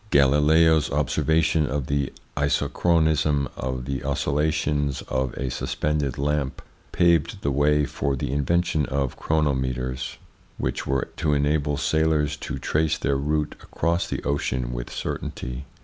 Galileo's observation of the isochronism of the oscillations of a suspended lamp paved the way for the invention of chronometers, which were to enable sailors to trace their route across the ocean with certainty.